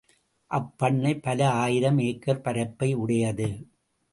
அப்பண்ணை பல ஆயிரம் ஏக்கர் பரப்பை உடையது.